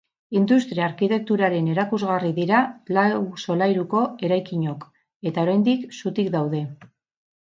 Industria-arkitekturaren erakusgarri dira lau solairuko eraikinok, eta oraindik zutik daude.